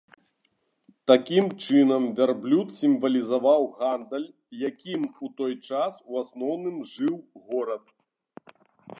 Такім чынам, вярблюд сімвалізаваў гандаль, якім у той час у асноўным жыў горад.